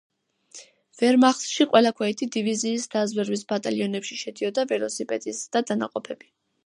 ვერმახტში ყველა ქვეითი დივიზიის დაზვერვის ბატალიონებში შედიოდა ველოსიპედისტთა დანაყოფები.